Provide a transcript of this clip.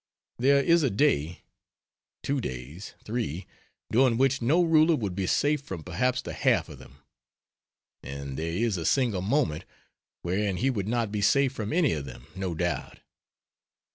There is a day two days three during which no Ruler would be safe from perhaps the half of them; and there is a single moment wherein he would not be safe from any of them, no doubt.